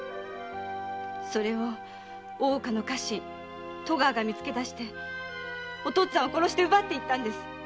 それを大岡の家臣戸川が見つけだしてお父っつぁんを殺して奪っていったんです！